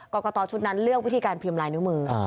กรกตชุดนั้นเลือกวิธีการพิมพ์ลายนิ้วมือ